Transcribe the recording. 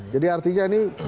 jadi artinya ini